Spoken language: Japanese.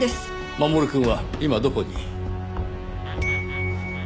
守くんは今どこに？